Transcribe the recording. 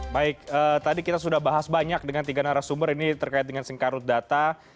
baik tadi kita sudah bahas banyak dengan tiga narasumber ini terkait dengan sengkarut data